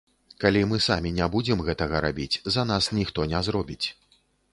Калі мы самі не будзем гэтага рабіць, за нас ніхто не зробіць.